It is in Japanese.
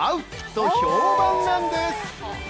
と評判なんです。